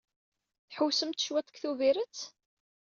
Tḥewwsemt cwiṭ deg Tubirett?